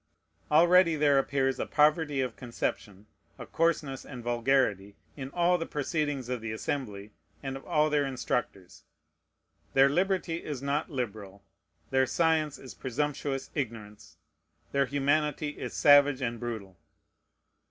Already there appears a poverty of conception, a coarseness and vulgarity, in all the proceedings of the Assembly and of all their instructors. Their liberty is not liberal. Their science is presumptuous ignorance. Their humanity is savage and brutal.